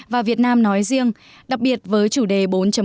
và việt nam nói riêng đặc biệt với chủ đề bốn